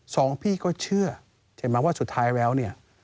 สองพี่ก็เชื่อเห็นไหมว่าสุดท้ายแล้วเนี่ย